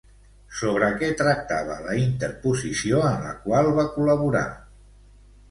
Sobre què tractava la interposició en la qual va col·laborar?